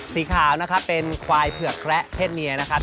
สีขาวนะครับเป็นควายเผือกแคระเพศเมียนะครับ